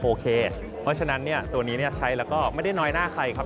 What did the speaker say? เพราะฉะนั้นตัวนี้ใช้แล้วก็ไม่ได้น้อยหน้าใครครับ